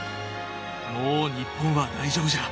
もう日本は大丈夫じゃ。